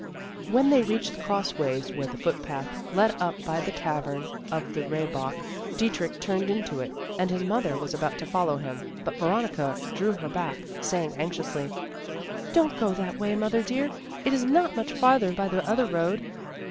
When they reached the crossways where the footpath led up by the tavern of the Rehbock, Dietrich turned into it, and his mother was about to follow him, but Veronica drew her back, saying anxiously, "Don't go that way, mother dear; it is not much farther by the other road."